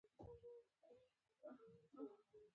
زه به نه یم ته به ژاړي